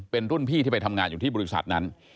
เป็นรุ่นพี่ที่ไปทำงานอยู่ที่บริษัทนั้น